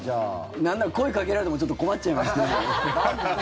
なんなら声かけられてもちょっと困っちゃいますね。